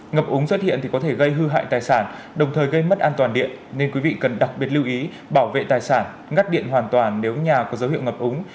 ngập úng xuất hiện thì có thể gây hư hại tài sản đồng thời gây mất an toàn điện nên quý vị cần đặc biệt lưu ý bảo vệ tài sản ngắt điện hoàn toàn nếu nhà có dấu hiệu ngập úng